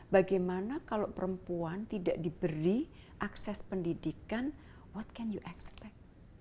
bagaimana kalau perempuan tidak diberi akses pendidikan what can you expect